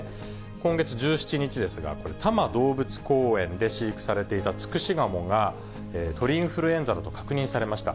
今月１７日ですが、これ、多摩動物公園で飼育されていたツクシガモが、鳥インフルエンザだと確認されました。